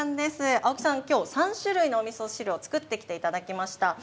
青木さん、きょう３種類のおみそ汁を作ってきていただきました。